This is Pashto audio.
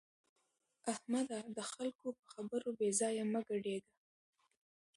احمده! د خلګو په خبرو بې ځایه مه ګډېږه.